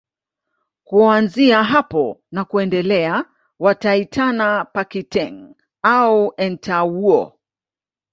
Kuanzia hapo na kuendelea wataitana Pakiteng au Entawuo